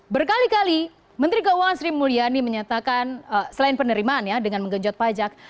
berkali kali menteri keuangan sri mulyani menyatakan selain penerimaan ya dengan menggenjot pajak